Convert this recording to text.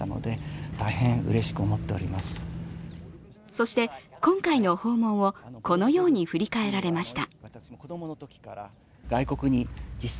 そして、今回の訪問をこのように振り返られました。